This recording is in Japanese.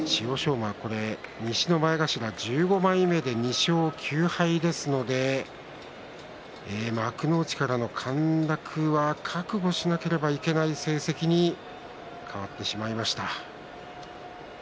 馬西の前頭１５枚目で２勝９敗ですので幕内からの陥落は覚悟しなければいけない成績に変わってしまいました。